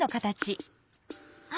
あ！